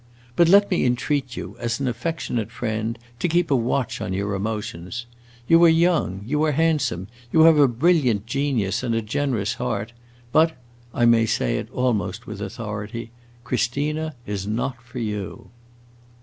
But let me entreat you, as an affectionate friend, to keep a watch on your emotions. You are young, you are handsome, you have a brilliant genius and a generous heart, but I may say it almost with authority Christina is not for you!"